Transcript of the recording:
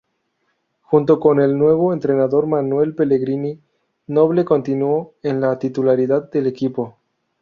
Junto con el nuevo entrenador Manuel Pellegrini, Noble continuó en la titularidad del equipo.